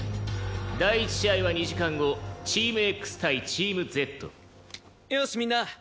「第１試合は２時間後チームＸ対チームＺ」よしみんな！